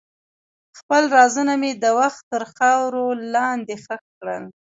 خپل رازونه مې د وخت تر خاورو لاندې ښخ کړل.